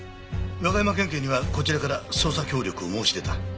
和歌山県警にはこちらから捜査協力を申し出た。